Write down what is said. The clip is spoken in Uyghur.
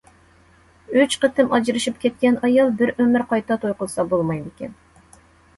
ئۈچ قېتىم ئاجرىشىپ كەتكەن ئايال، بىر ئۆمۈر قايتا توي قىلسا بولمايدىكەن.